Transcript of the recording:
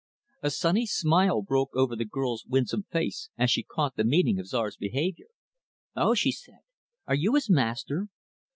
A sunny smile broke over the girl's winsome face, as she caught the meaning of Czar's behavior. "O," she said, "are you his master?"